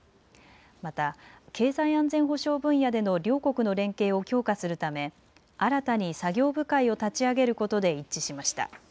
また経済安全保障分野での両国の連携を強化するため新たに作業部会を立ち上げることで一致しました。